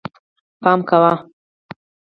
پام کوه